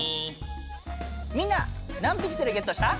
みんな何ピクセルゲットした？